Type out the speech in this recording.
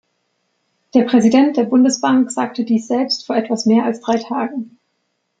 Der Präsident der Bundesbank sagte dies selbst vor etwas mehr als drei Tagen.